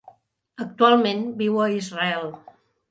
Actualment viu a Israel.